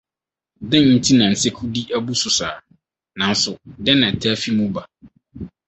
Dɛn nti na nsekudi abu so saa, nanso dɛn na ɛtaa fi mu ba?